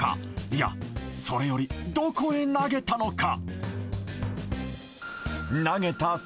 いやそれよりどこへ投げたのか？